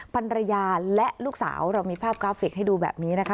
ภรรยาและลูกสาวเรามีภาพกราฟิกให้ดูแบบนี้นะคะ